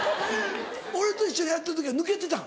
俺と一緒にやってた時は抜けてたん？